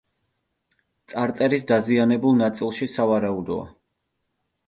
წარწერის დაზიანებულ ნაწილში, სავარაუდოა.